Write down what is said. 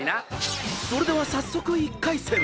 ［それでは早速１回戦］